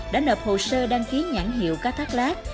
đã nộp hồ sơ đăng ký nhãn hiệu cá thác lát